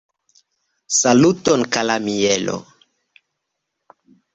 Saluton kara Mielo!